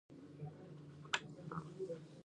د شاتګ نیمایي لاره مې په پښو طی کړې وه.